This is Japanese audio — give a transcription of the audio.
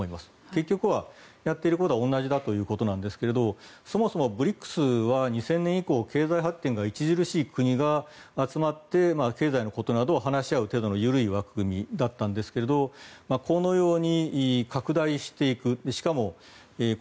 結局は、やっていることは同じだということなんですがそもそもＢＲＩＣＳは２０００年以降経済発展が著しい国が集まって経済のことなどを話し合う緩い枠組みだったんですけどこのように、拡大していく。